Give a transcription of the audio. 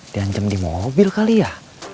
diancam di mobil kali ya